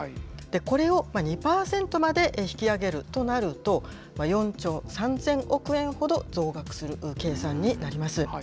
これを２％まで引き上げるとなると、４兆３０００億円ほど増額する計算になります。